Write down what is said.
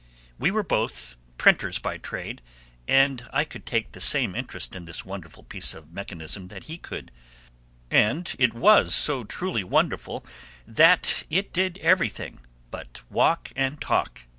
We were both printers by trade, and I could take the same interest in this wonderful piece of mechanism that he could; and it was so truly wonderful that it did everything but walk and talk.